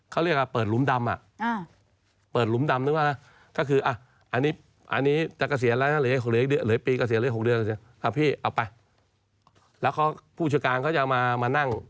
เขาเรียกเปิดหลุมดำ